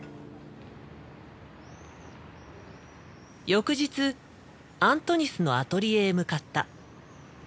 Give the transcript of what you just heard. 翌日アントニスのアトリエへ向かった。